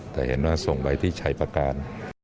แต่เห็นว่าส่งไปที่ชัยประการ